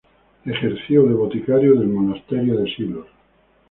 Ejerció de boticario del monasterio de Silos.